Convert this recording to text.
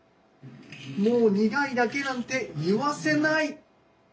もう苦いだけなんて言わせない！